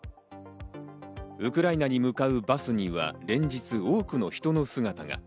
ウクライナに向かうバスには連日多くの人の姿が。